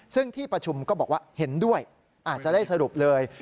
ซึ่งที่ประชุมก็บอกว่าเห็นด้วยอาจจะได้สรุปเลย